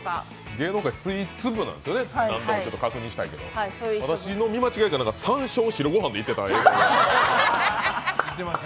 芸能界スイーツ部なんですよね、何度も確認したいんですけど私の見間違いじゃないかな、さんしょうを白ご飯でいってたような気が。